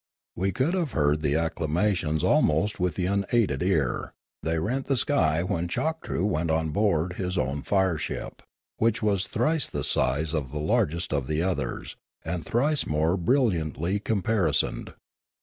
We could have heard the ac clamations almost with the unaided ear; they rent the sky when Choktroo went on board his own fire ship, which was thrice the size of the largest of the others, and thrice more brilliantly caparisoned.